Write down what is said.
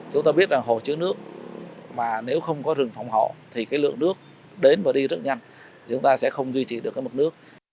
chúng ta biết rằng hồ chứa nước mà nếu không có rừng phòng hộ thì cái lượng nước đến và đi rất nhanh chúng ta sẽ không duy trì được cái mực nước